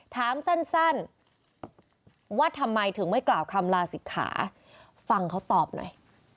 ถามสั้นว่าทำไมถึงไม่กล่าวคำลาศิกขาฟังเขาตอบหน่อย